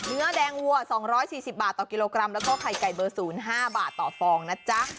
เนื้อแดงวัวสองร้อยสี่สิบบาทต่อกิโลกรัมแล้วก็ไข่ไก่เบอร์ศูนย์ห้าบาทต่อฟองนะจ๊ะ